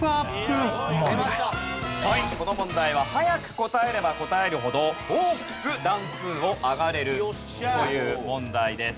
この問題は早く答えれば答えるほど大きく段数を上がれるという問題です。